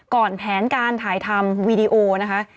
ก่อนแผนการถ่ายทำวีดีโอนะคะ